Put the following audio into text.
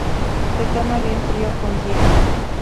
Se toma bien frío, con hielo.